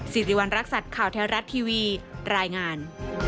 สิริวัณรักษัตริย์ข่าวแท้รัฐทีวีรายงาน